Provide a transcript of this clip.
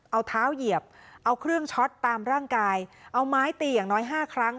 เอาเท้าเหยียบเอาเครื่องช็อตตามร่างกายเอาไม้ตีอย่างน้อยห้าครั้ง